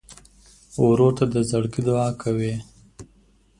ورور ته د زړګي دعاء کوې.